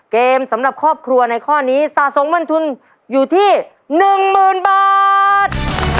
เกมสำหรับครอบครัวในข้อนี้สะสมเงินทุนอยู่ที่หนึ่งหมื่นบาท